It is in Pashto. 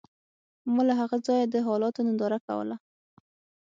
ما له هغه ځایه د حالاتو ننداره کوله